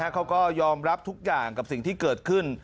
เขาก็ยอมรับทุกอย่างกับสิ่งที่เกิดขึ้น